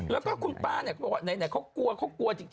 แล้วก็คุณป้าเนี่ยก็บอกว่าไหนเขากลัวจริง